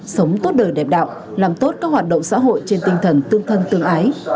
sống tốt đời đẹp đạo làm tốt các hoạt động xã hội trên tinh thần tương thân tương ái